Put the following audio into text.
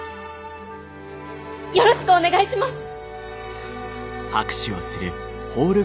よろしくお願いします！